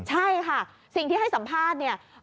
ใช่ค่ะสิ่งที่ให้สัมภาษณ์